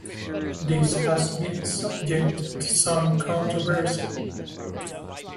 This has been subject to some controversy.